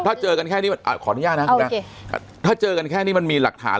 ถ้าเจอกันแค่นี้ขออนุญาตนะคุณแม่ถ้าเจอกันแค่นี้มันมีหลักฐาน